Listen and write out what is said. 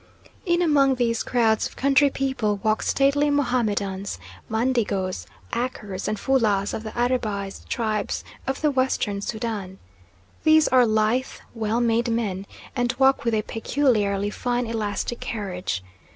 In among these crowds of country people walk stately Mohammedans, Mandingoes, Akers, and Fulahs of the Arabised tribes of the Western Soudan. These are lithe, well made men, and walk with a peculiarly fine, elastic carriage.